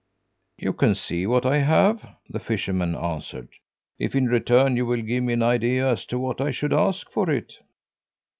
"You can see what I have," the fisherman answered, "if in return you will give me an idea as to what I should ask for it."